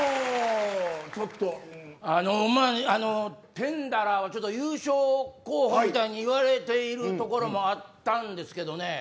テンダラーは優勝候補みたいに言われているところもあったんですけどね